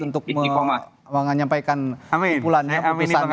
untuk menyampaikan kumpulannya keputusannya